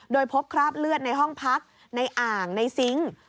โดยพบคราบเลือดในห้องพักในอ่างในซิงค์